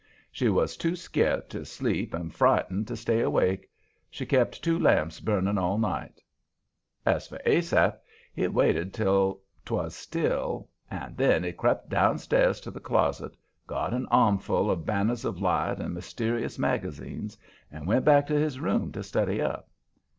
She was too scart to sleep and frightened to stay awake. She kept two lamps burning all night. As for Asaph, he waited till 'twas still, and then he crept downstairs to the closet, got an armful of Banners of Light and Mysterious Magazines, and went back to his room to study up.